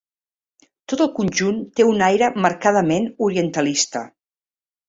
Tot el conjunt té un aire marcadament orientalista.